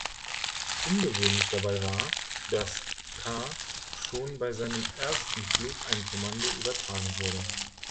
Ungewöhnlich dabei war, dass Carr schon bei seinem ersten Flug ein Kommando übertragen wurde.